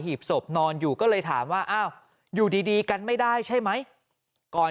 ีบศพนอนอยู่ก็เลยถามว่าอ้าวอยู่ดีกันไม่ได้ใช่ไหมก่อน